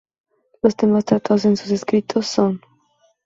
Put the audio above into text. Los temas tratados en sus escritos son